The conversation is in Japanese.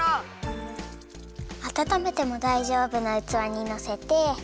あたためてもだいじょうぶなうつわにのせて。